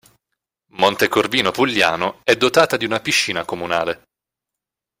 Montecorvino Pugliano è dotata di una piscina comunale.